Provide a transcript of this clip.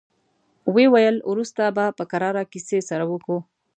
ويې ويل: وروسته به په کراره کيسې سره کوو.